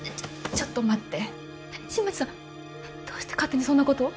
ちょっと待って新町さんどうして勝手にそんなことを？